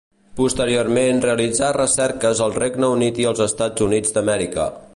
Posteriorment realitzà recerques al Regne Unit i als Estats Units d'Amèrica.